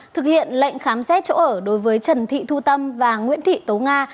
thực hiện lệnh khám xét chỗ ở đối với trần thị thu tâm và nguyễn thị tố nga